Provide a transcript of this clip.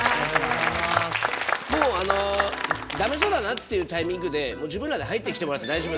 もうあの駄目そうだなっていうタイミングで自分らで入ってきてもらって大丈夫。